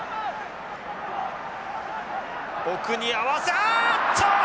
奥に合わせあっと！